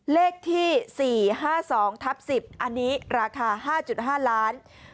เลขที่สี่ห้าสองทับสิบอันนี้ราคาห้าจุดห้าล้าน